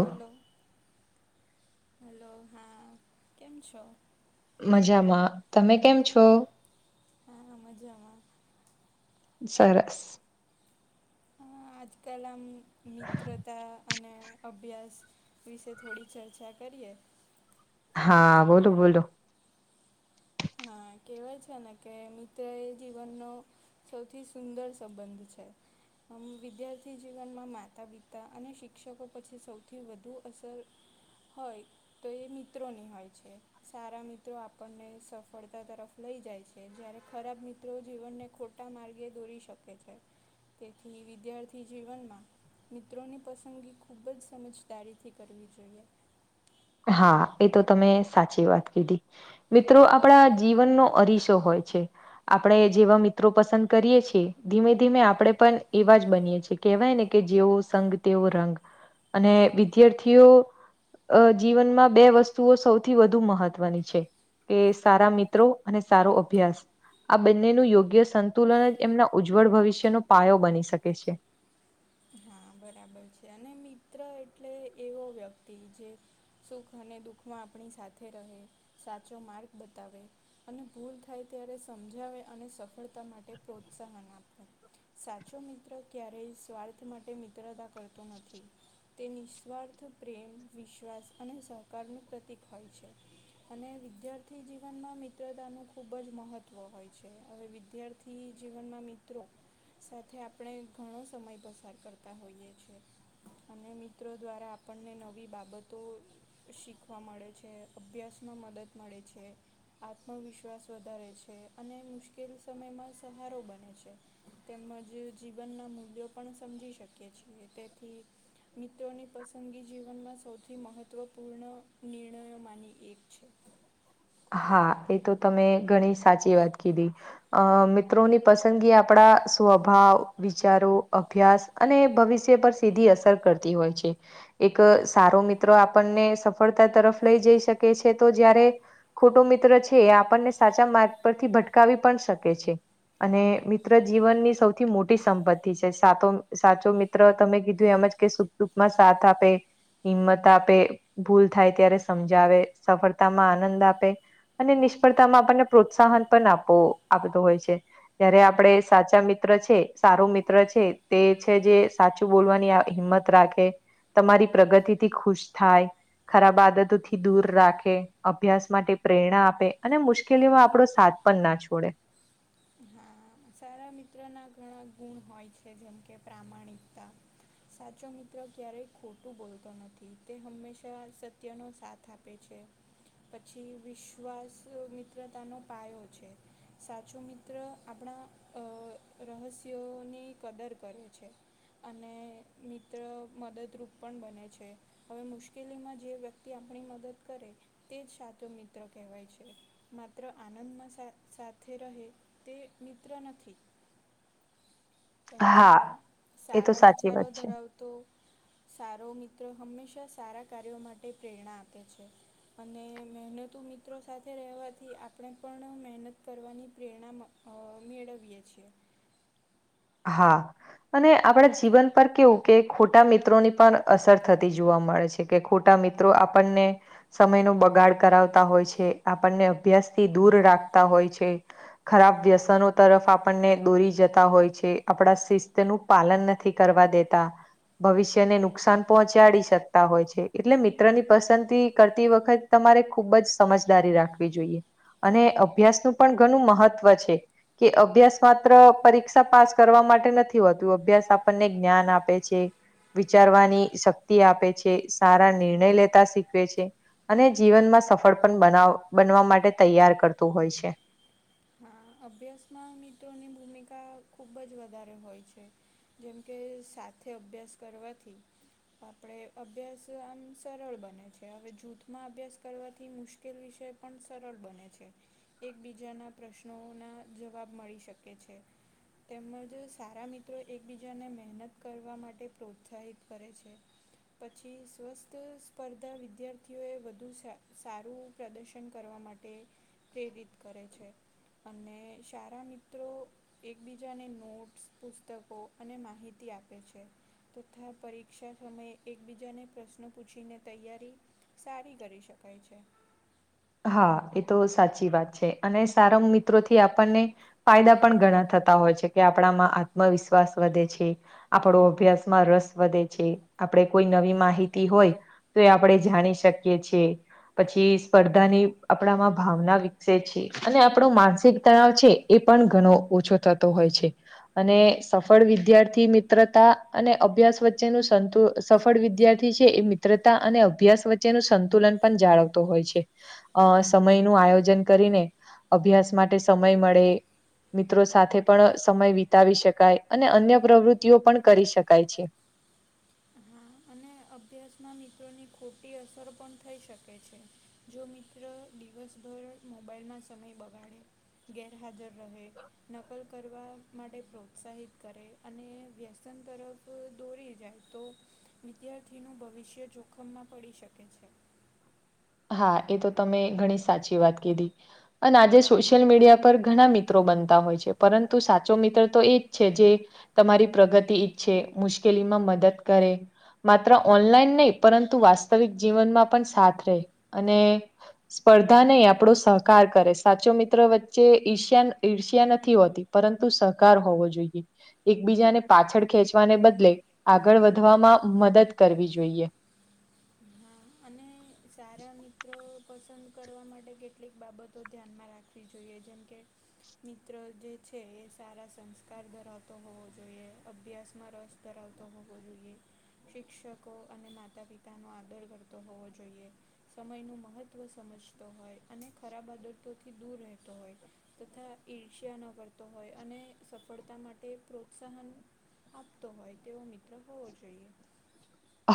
Hello hello હા કેમ છો? મજામાં તમે કેમ છો હા મજામાં સરસ હા આજકાલ આમ મિત્રતા અને અભ્યાસ વિશે થોડી ચર્ચા કરીએ હા બોલો બોલો હા કેવાય છે, ને કે તે જીવનનો સૌથી સુંદર સંબંધ છે. આમ વિદ્યાર્થી જીવનમાં માતા પિતા અને શિક્ષકો પછી સૌથી વધું અસર હોય તો એ મિત્રોની હોય છે સારા મિત્રો આપણને સફ સફળતા તરફ લઈ જાય છે જ્યારે ખરાબ મિત્રો જીવનને ખોટા માર્ગે દોરી શકે છે. તેથી વિદ્યાર્થી જીવનમાં મિત્રોની પસંદગી ખૂબ જ સમજદારીથી કરવી જોઈએ હા એ તો તમે સાચી વાત કીધી. મિત્રો આપણા જીવનનો અરીસો હોય છે. આપણે જેવા મિત્રો પસંદ કરીએ છીએ ધીમે ધીમે આપણે પણ એવા જ બનીએ છે. કેવાય ને કે જેવો સંગ તેવો રંગ અને વિદ્યાર્થીઓ અ જીવનમાં બે વસ્તુઓ સૌથી વધુ મહત્વની છે. એ સારા મિત્રો અને સારો અભ્યાસ આ બંનેનું યોગ્ય સંતુલન જ એમના ઉજ્જવળ ભવિષ્યનો પાયો બની શકે છે. હા બરાબર છે, અને મિત્ર એટલે એવો વ્યક્તિ જે સુખ અને દુઃખમાં આપણી સાથે રહે સાચો માર્ગ બતાવે અને ભૂલ થાય ત્યારે સમજાવે અને સફળતા માટે પ્રોત્સાહન આપે સાચો મિત્ર ક્યારેય સ્વાર્થ માટે મિત્રતા કરતો નથી તે નિસ્વાર્થ પ્રેમ વિશ્વાસ અને સહકારનું પ્રતિક હોય છે. અને વિદ્યાર્થી જીવનમાં મિત્રતાનું ખૂબ જ મહત્ત્વ હોય છે હવે વિદ્યા થી જીવનમાં મિત્રો સાથે આપણે ઘણો સમય પસાર કર તા હોઈએ છે અને મિત્રો દ્વારા આપણને નવી બાબતો શીખવા મળે છે, અભ્યાસમાં મદદ મળે છે. આત્મવિશ્વાસ વધારે છે અને મુશ્કેલી સમયમાં સહારો બને છે. તેમજ જીવનના મૂલ્યો પણ સમજી શકીએ છીએ તેથી મિત્રોની પસંદગી જીવનમાં સૌથી મહત્ત્વપૂર્ણ નિર્ણયોમાંની એક છે. હા એ તો તમે ઘણી સાચી વાત કીધી. અ મિત્રોની પસંદગી આપણા સ્વભાવ, વિચારો, અભ્યાસ અને ભવિષ્ય પર સીધી અસર કરતી હોય છે. એક સારો મિત્ર આપણને સફળતા તરફ લઈ જઈ શકે છે તો જયારે ખોટો મિત્ર છે એ આપણને સાચા માર્ગ પરથી ભટકાવી પણ શકે છે. અને મિત્ર જીવનની સૌથી મોટી સંપત્તિ છે. સાતો સાચો મિત મિત્ર તમે કીધું એમ જ કે સુખ દુખમાં સાથ આપે હિંમત આપે, ભૂલ થાય ત્યારે સમજાવે, સફળતામાં આનંદ આપ આપે અને નિષ્ફળતામાં આપણને પ્રોત્સાહન પણ આપો આપતો હોય છે. જયારે આપડે સાચા મિત્ર છે સારું મિત્ર છે તે છે જે સાચું બોલવાની આ હિંમત ત રાખે, તમારી પ્રગતિથી ખુશ થાય. ખરાબ આદતોથી દૂર રાખે, અભ્યાસ માટે પ્રેરણા આપે, અને મુશ્કેલીઓમાં આપણો સાથ પણ ના છોડે હા સારા મિત્રના ઘણા ગુણ હોય છે. જેમ કે પ્રામાણિકતા, સાચો મિત્ર ક્યારેય ખોટું બોલતો નથી. તે હંમેશા સત્યનો સાથ. થોડું આપે છે. પછી વિશ્વાસ મિત્રતાનો પાયો છે. સાચો મિત્ર. આપણા અ રહસ્યોની કદર કરે છે. અને મિત્ર મદદરૂપ પણ બને છે. હવે મુશ્કેલીમાં જે વ્યક્તિ આપણી મદદ કરે, તેજ સાચોમિત્ર કહેવાય છે. માત્ર આનંદમાં સાથ સાથે રહે. તે મિત્ર નથી. હા તથા એ તો સારા સાચી વિચારો વાત છે ધરાવતા, તો સારો મિત્ર હંમેશા સારા કાર્યો માટે પ્રેરણા આપે છે. અને મહેનતુ મિત્રો સાથે રહેવાથી આપણે પણ મહેનત કરવાની પ્રેરણા મળે, અને મેળવીએ છીએ. હા, અને આપણા જીવન પર કેવું કે ખોટા મિત્રોની પણ અસર થતી જોવા મળે છે. કે કે ખોટા મિત્રો આપણને, સમયનો બગાડ કરાવતા હોય છે, આપણને અભ્યાસથી દૂર રાખતા હોય છે. ખરાબ વ્યસનો તરફ આપણને દોરી જતા હોય છે. આપણા શિસ્તનું પાલન નથી કરવા દેતા. ભવિષ્યને નુકસાન પહોંચાડી શકતા હોય છે. એટલે મિત્રની પસંદગી કરતી વખતે, તમારે ખૂબ જ સમજદારી રાખવી જોઈએ. અને અભ્યાસનું પણ ઘણું મહત્વ છે. કે અભ્યાસ માત્ર પરીક્ષા પાસે, કરવા માટે નથી હોતું. અભ્યાસ આપણને જ્ઞાન આપે છે. વિચારવાની શક્તિ આપે છે, સારા નિર્ણય લેતા શીખવે છે. અને જીવનમાં સફળ પણ બનાવ બનવા માટે તૈયાર કરતું હોય છે. હા અભ્યાસમાં મિત્રોની ભૂમિકા ખૂબ જ વધારે હોય છે. જેમકે સાથે અભ્યાસ કરવાથી, તો આપણે અભ્યાસ આમ સરળ બને છે. હવે જૂથમાં અભ્યાસ કરવાથી મુશ્કેલ, કેલ વિષય પણ સરળ બને છે. એકબીજાના પ્રશ્ન નો ના જવાબ મળી શકે છે. તેમજ સારા મિત્રો એકબીજાને મહેનત કરવા માટે પ્રોત્સાહિત કરે છે. પછી સ્વસ્થ સ્પર્ધા વિદ્યાર્થીઓએ વધુ સારુ, પ્રદર્શન કરવા માટે પ્રેરિત કરે છે. અને સારા મિત્રોને, એકબીજાને નોટ્સ, પુસ્તકો અને માહિતી આપે છે. તથા પરીક્ષા સમયે એકબીજાને પ્રશ્નો પૂછીને તૈયારી, સારી કરી શકાય છે. હા એતો સાચીવાત છે, અને સારા મિત્રોથી આપણને ફાયદા પણ ઘણા થતા હોય છે, કે આપણામાં આત્મવિશ્વાસ વધે છે. આપડો અભ્યાસમાં રસ વધે છે. આપણે કોઈ નવી માહિતી હોયને. તોએ આપણેે ઝાણી શકીએ છીએ. પછી સ્પર્ધા ધાની આપડામાં ભાવના વિકસે છે, અને આપડો માનસિક તણાવ છે, એ પણ ઘણો ઓછો. થતો હોય છે. અને સફળ વિદ્યાર્થી મિત્રતા અને અભ્યાસ વચ્ચેનું સંતુલન, સફળ વિદ્યાર્થી છે, એ મિત્રતા અને અભ્યાસ વચ્ચેનું સંતુલન પન જાળવતો હોય છે. અ સમયનું આયોજન કરીને અભ્યાસ માટે સમય મળે. મિત્રો સાથે પણ સમય વિતાવી શકાય અને અન્ય પ્રવૃતિઓ પણ કરી શકાય છે. હા અને ને અભ્યસના મિત્રોની ખોટી અસર પણ થઈ શકે છે. જો મિત્ર દિવસભર મોબાઈલમાં સમય બગાડે ગેરહાજર રહે નકલ કરવા માટે પ્રોત્સાહિત કરે અને વ્યસન તરફ કોઈ દોરી જાય તો વિદ્યાર્થીનું ભવિષ્ય જોખમમાં પડી શકે છે. હા એ તો તમે ઘણી સાચી વાત કીધી. પણ આજે સોશિયલ મીડિયા પર ઘણા મિત્રો બનતા હોય છે પરંતુ સાચો મિત્ર તો એ જ છે જે તમારી પ્રગતિ ઈચ્છે, મુશ્કેલીમાં મદદ કરે. માત્ર ઓનલાઈન નઈ પરંતુ વાસ્તવિક જીવનમાં પણ સાથ રે અને સ્પર્ધા નઈ આપડો સહકાર કરે સાચો મિત્ર વચ્ચે ઈર્ષ્યા ન ઈર્ષ્યા નથી હોતી. પરંતુ સહકાર હોવો જોઈએ. એકબીજાને પાછળ ખેંચવાને બદલે આગળ વધવામાં મદદ કરવી જોઈએ. હા અને સારા મિત્રો પસંદ કરવા માટે કેટલીક બાબતો ધ્યાનમાં રાખવી જોઈએ જેમ કે મિત્ર જે છે એ સારા સંસ્કાર ધરાવતો હોવો જોઈએ, અભ્યાસમાં રસ ધરાવતો હોવો જોઈએ. શિક્ષકો અને માતા પિતાનો આદર કરતો હોવો જોઈએ. સમયનું મહત્ત્વ સમજતો હોય અને ખરાબ આદતોથી દૂર રહેતો હોય. તથા ઈર્ષ્યા ન કરતો હોય અને સફળતા માટે પ્રોત્સાહન આપતો હોય તેવો મિત્ર હોવો જોઈએ.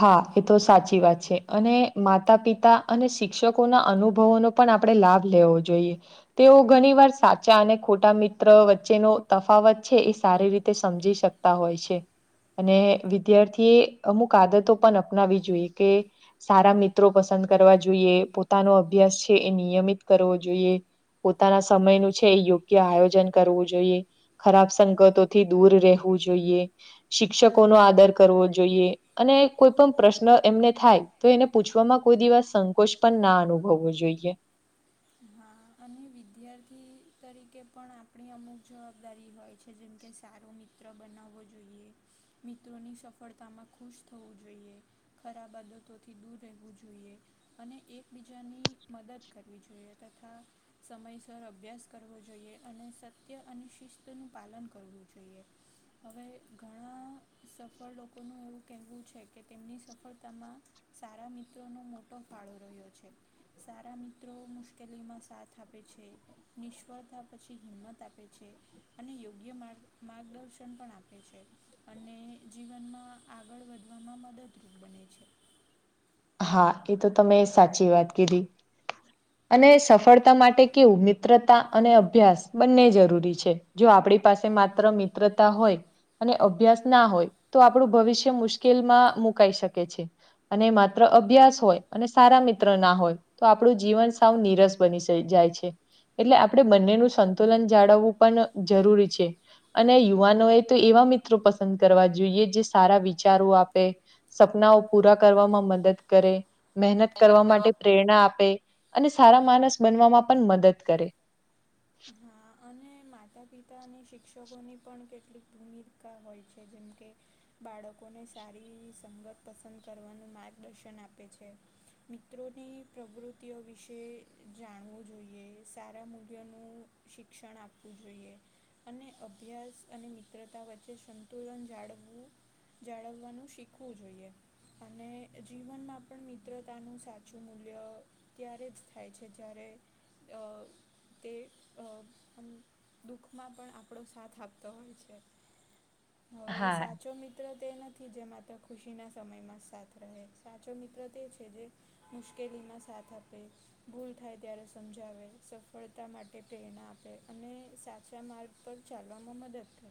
હા એ તો સાચી વાત છે અને માતા પિતા અને શિક્ષકોના અનુભવોનો પણ આપણે લાભ લેવો જોઈએ. તેઓ ઘણીવાર સાચા અને ખોટા મિત્ર વચ્ચેનો તફાવત છે એ સારી રીતે સમજી શક તા હોય છે અને વિદ્યાર્થીએ અમુક આદતો પણ અપનાવી જોઈએ કે સારા મિત્રો પસંદ કરવા જોઈએ. પોતાનો અભ્યાસ છે એ નિયમિત કરવો જોઈએ. પોતાના સમયનું છે યોગ્ય આયોજન કરવું જોઈએ. ખરાબ સંગતોથી દૂર રહેવું જોઈએ. શિક્ષકોનો આદર કરવો જોઈએ. અને કોઈ પણ પ્રશ્ન એમને થાય તો એને પૂછવામાં કોઈ દિવસ સંકોચ પણ ના અનુભવવો જોઈએ. હા અને વિદ્યાર્થી તરીકે પણ આપણી અમુક જવાબદારી હોય. છે જેમ કે સારો મિત્ર બનાવવો જોઈએ. મિત્રોની સફળતામાં ખુશ થવું જોઈએ. ખરાબ આદતોથી દૂર રહેવું જોઈએ અને એકબીજાની મદદ કરવી જોઈએ. તથા સમયસર અભ્યાસ કરવો જોઈએ અને સત્ય અને શિસ્તનું પાલન કરવું જોઈએ. હવે ઘણા સફળ લોકોનું એવું કહેવું છે કે તેમની સફળતામાં સારા મિત્રોનો મોટો ફાળો રહ્યો છે. સારા મિત્રો મુશ કેલીમાં સાથ આપે છે. નિષ્ફળતા પછી હિંમત આપે છે. અને યોગ્ય માર્ગ માર્ગદર્શન પણ આપે છે. અને જીવનમાં આગળ વધવામાં મદદરૂપ બને છે. હા, એ તો તમે સાચી વાત કીધી. અને સફળતા માટે કેવું મિત્રતા અને અભ્યાસ બંને જરૂરી છે. જો આપણી પાસે માત્ર મિત્રતા હોય. અને અભ્યાસ ના હોય તો આપણું ભવિષ્ય મુશ્કેલમાં મુકાઈ શકે છે. અને માત્ર અભ્યાસ હોય અને સારા મિત્ર ના હોય તો આપણું જીવન નિરસ બની જાય છે. એટલે આપણે બંનેનું સંતુલન જાળવવું પણ જરૂરી છે. અને યુવાનો એ તો એવા મિત્રો પસંદ કરવા જોઈએ જે સારા વિચારો આપે સપનાઓ પૂરા કરવામાં મદદ કરે. મહેનત કરવા માટે પ્રેરણા આપે અને સારા માણસ બનવામાં પણ મદદ કરે. હા અને માતા-પિતા અને શિક્ષકોની પણ કેટલીક ભૂમિકા હોય છે. જેમ કે બાળકોને સારી સંગત પસંદ કરવાનું માર્ગદર્શન આપે છે. મિત્રોની પ્રવૃતિઓ વિશે જાણવું જોઈએ, સારા મૂલ્યોનું શિક્ષણ આપવું જોઈએ. અને અભ્યાસ અને મિત્રતા વચ્ચે સંતુલન જાળવવું. જાળવવાનું શીખવું જોઈએ. અને જીવનમાં પણ મિત્રતાનું સાચું મૂલ્ય ત્યારે જ થાય છે. જ્યારે તે દુઃખમાં પણ આપણો સાથ આપતો હોય છે હવે હા સાચો મિત્ર તે ન થી જે માત્ર ખુશી ના સમય માં સાથ રહે સાચો મિત્ર તે છે જે મુશ્કેલીમાં સાથ આપે, ભૂલ થાય ત્યારે સમજાવે, સફળતા માટે એ પ્રેરણા આપે અને સાચા માર્ગ પર ચાલવામાં મદદ કરે.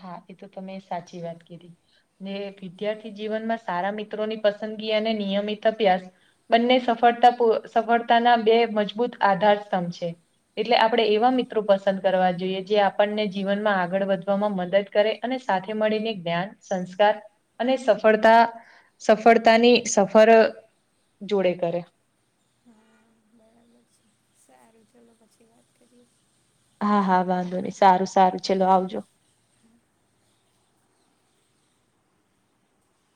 હા, એ તો તમે સાચી વાત કીધી. જે વિદ્યાર્થી જીવનમાં સારા મિત્રોની પસંદગી અને નિયમિત અભ્યાસ બંને સફળતા સફળતાના બે મજબૂત આધાર સ્તંભ છે. એટલે આપણે એવા મિત્રો પસંદ કરવા જોઈએ. જે આપણને જીવનમાં આગળ વધ મદદ કરે અને સાથે મળીને જ્ઞાન, સંસ્કાર અને સફળતા સફળતાની સફર, સાથે કરે. હા, બરાબર છે. સારું ચલો પછી વાત કરીએ. હા, હા. વાંધો નહી સારું સારું ચલો આવજો.